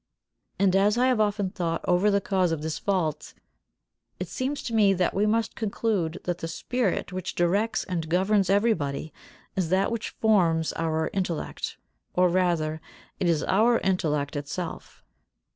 And as I have often thought over the cause of this fault, it seems to me that we must conclude that the spirit which directs and governs everybody is that which forms our intellect, or rather, it is our intellect itself.